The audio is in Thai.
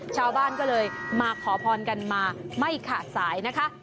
ชาวบ้านก็เลยมาขอพรกันมาไม่ขาดสายนะคะ